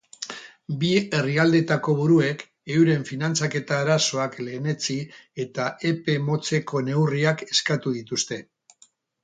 Bi herrialdeetako buruek euren finantzaketa arazoak lehenetsi eta epe motzeko neurriak eskatu dituzte.